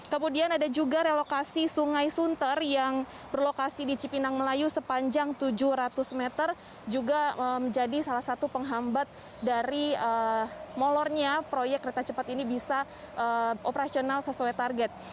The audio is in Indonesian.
kemudian ada juga relokasi sungai sunter yang berlokasi di cipinang melayu sepanjang tujuh ratus meter juga menjadi salah satu penghambat dari molornya proyek kereta cepat ini bisa operasional sesuai target